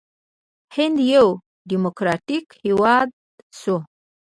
هند یو ډیموکراټیک هیواد شو.